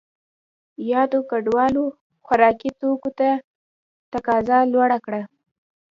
یادو کډوالو خوراکي توکو ته تقاضا لوړه کړه.